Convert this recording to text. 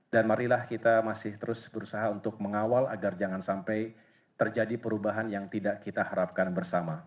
dan marilah kita masih terus berusaha untuk mengawal agar jangan sampai terjadi perubahan yang tidak kita harapkan bersama